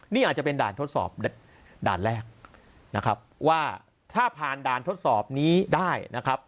นี่อาจจะเป็นด่านทดสอบด่านแรกนะครับว่าถ้าผ่านด่านทดสอบนี้ได้นะครับ